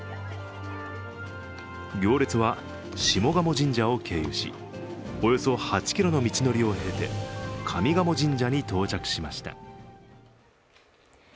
行列は下鴨神社を経由し、およそ８ｋｍの道のりを経て上賀茂神社に到着しました。